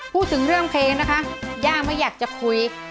พูดถึงเรื่องเพลงนะคะย่าไม่อยากจะคุย